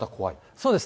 そうです。